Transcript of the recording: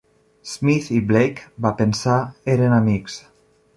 Smith i Blake, va pensar, eren amics.